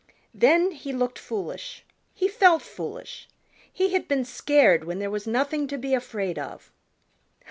Then he looked foolish. He felt foolish. He had been scared when there was nothing to be afraid of.